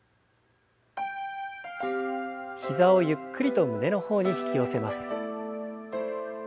膝をゆっくりと胸の方に引き寄せます。